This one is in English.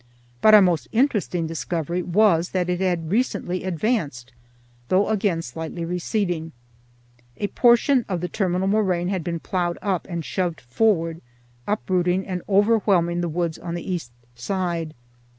But our most interesting discovery was that it had recently advanced, though again slightly receding. A portion of the terminal moraine had been plowed up and shoved forward, uprooting and overwhelming the woods on the east side.